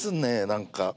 何か